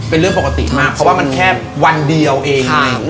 เป็นเรื่องปกติมากเพราะว่ามันแค่วันเดียวเอง